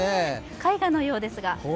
絵画のようですが。